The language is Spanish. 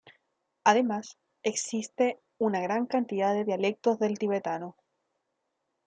Además, existe una gran cantidad de dialectos del tibetano.